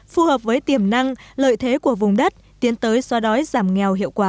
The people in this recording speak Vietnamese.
phù hợp với tiềm năng lợi thế của vùng đất tiến tới xoa đói giảm nghèo hiệu quả